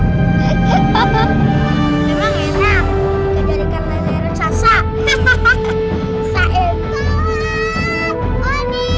memang enak menjadikan leheran sasa hahaha